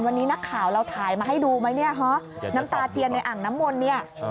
วันนี้นักข่าวเราถ่ายมาให้ดูไหมเนี่ยฮะน้ำตาเทียนในอ่างน้ำมนต์เนี่ย